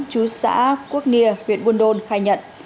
chú xã quốc nia huyện quân đôn khai nhận